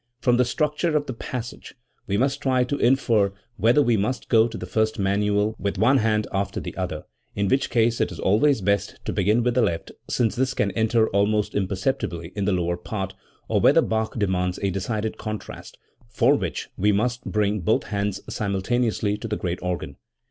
From the structure of the passage we must try to infer whether we must go to the first manual with one hand after the other, in which case it is always best to begin with the left, since this can enter almost imperceptibly in the lower part or whether Bach demands a decided contrast, for which we must bring both hands simultaneously to the great organ.